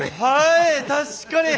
確かに。